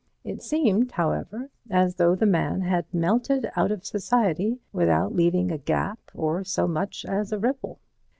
It seemed, however, as though the man had melted out of society without leaving a gap or so much as a ripple.